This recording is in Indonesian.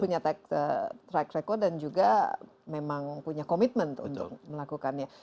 punya track record dan juga memang punya komitmen untuk melakukannya